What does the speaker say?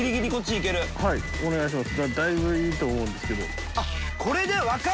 はいお願いします。